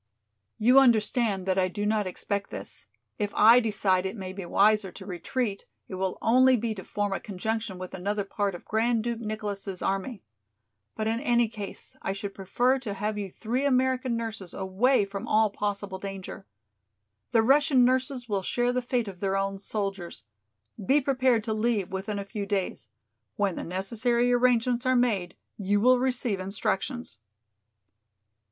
"You understand that I do not expect this. If I decide it may be wiser to retreat, it will only be to form a conjunction with another part of Grand Duke Nicholas' army. But in any case I should prefer to have you three American nurses away from all possible danger. The Russian nurses will share the fate of their own soldiers. Be prepared to leave within a few days. When the necessary arrangements are made you will receive instructions."